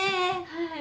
はい。